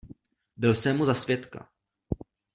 Byl jsem mu za svědka.